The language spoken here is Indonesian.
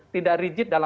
tidak rigid dalam